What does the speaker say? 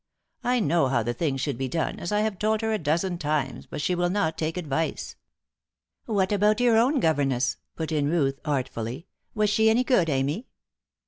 I know how the thing should be done, as I have told her a dozen times, but she will not take advice." "What about your own governess?" put in Ruth, artfully. "Was she any good, Amy?"